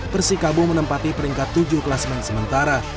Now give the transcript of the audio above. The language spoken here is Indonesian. persikabu menempati peringkat tujuh kelas men sementara